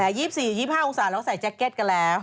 แหมอย่าง๒๔๒๕องศาแล้วใส่แจ็กเก็ตกันแล้ว